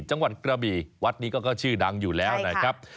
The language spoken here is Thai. จังหวัดกระบี่วัดนี้ก็ชื่อดังอยู่แล้วนะครับ